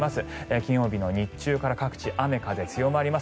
金曜日の日中から各地雨が強まります。